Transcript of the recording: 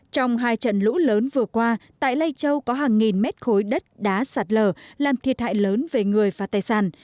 trong hai trận lũ lớn vừa qua tại lai châu có hàng nghìn mét khối đất đá sạt lở làm thiệt hại lớn về người và tài sản